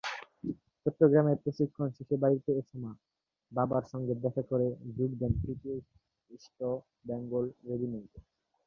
চট্টগ্রামে প্রশিক্ষণ শেষে বাড়িতে এসে মা-বাবার সঙ্গে দেখা করে যোগ দেন তৃতীয় ইস্ট বেঙ্গল রেজিমেন্টে।